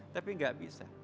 tapi enggak bisa